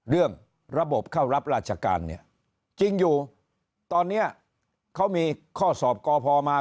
เรื่องระบบเข้ารับราชการเนี่ยจริงอยู่ตอนนี้เขามีข้อสอบกพมา